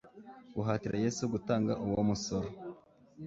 Guhatira Yesu gutanga uwo musoro,